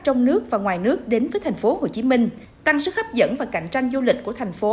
trong nước và ngoài nước đến với tp hcm tăng sức hấp dẫn và cạnh tranh du lịch của thành phố